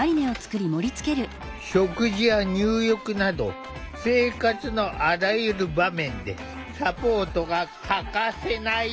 食事や入浴など生活のあらゆる場面でサポートが欠かせない。